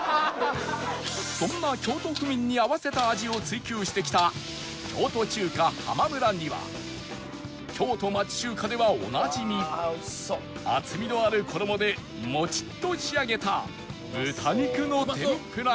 そんな京都府民に合わせた味を追求してきた京都中華ハマムラには京都町中華ではおなじみ厚みのある衣でモチッと仕上げた豚肉の天ぷらや